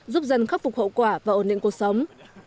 giúp dân khắc phục hậu quả và ổn định cuộc sống